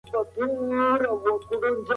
احمد پرون په کور کي کتاب لوستی.